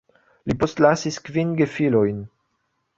Li postlasis kvin gefilojn.